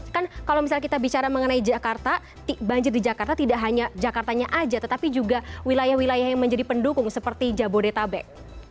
kan kalau misalnya kita bicara mengenai jakarta banjir di jakarta tidak hanya jakartanya aja tetapi juga wilayah wilayah yang menjadi pendukung seperti jabodetabek